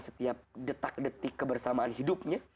setiap detik detik kebersamaan hidupnya